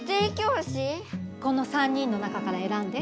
この３人の中からえらんで。